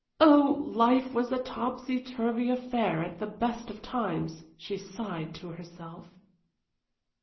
Oh, life was a topsy turvy affair at the best of times, she sighed to herself.